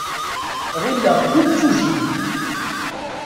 Ɣileɣ-t d imsujji.